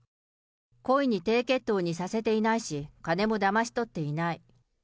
故意に低血糖にさせていないし、金もだまし取っていない。